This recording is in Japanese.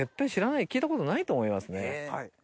聞いたことないと思いますね。